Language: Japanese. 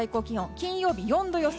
金曜日、４度予想。